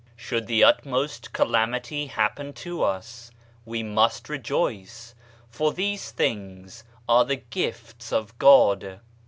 " Should the utmost calamity happen to us, we must rejoice, for these things are the Gifts of God.